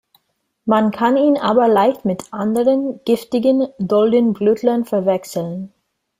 Man kann ihn aber leicht mit anderen, giftigen, Doldenblütlern verwechseln.